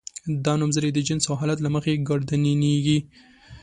دا نومځري د جنس او حالت له مخې ګردانیږي.